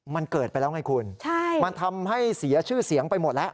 มันเกิดไปแล้วไงคุณมันทำให้เสียชื่อเสียงไปหมดแล้ว